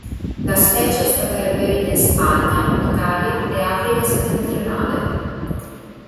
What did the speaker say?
La specie è stata reperita in Spagna, Italia e Africa settentrionale.